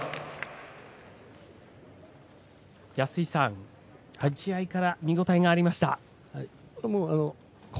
安井さん、立ち合いから見応えがありました。